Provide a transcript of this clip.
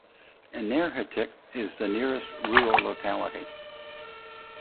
Energetik is the nearest rural locality.